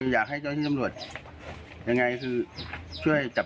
อยากให้ต้องที่ตำรวจยังไงช่วยจับตัวให้เร็วด้วยครับ